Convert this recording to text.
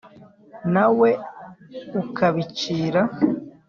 Na we ukabicira.